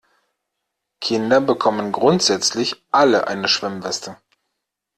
Kinder bekommen grundsätzlich alle eine Schwimmweste.